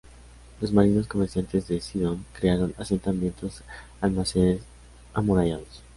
Los marinos comerciantes de Sidón crearon asentamientos-almacenes amurallados.